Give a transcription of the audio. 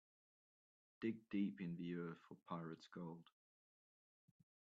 Dig deep in the earth for pirate's gold.